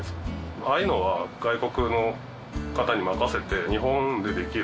ああいうのは外国の方に任せて。